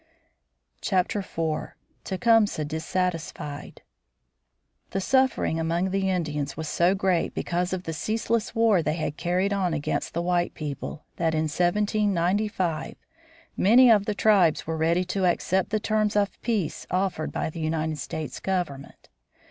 IV. TECUMSEH DISSATISFIED The suffering among the Indians was so great because of the ceaseless war they had carried on against the white people, that in 1795 many of the tribes were ready to accept the terms of peace offered by the United States government.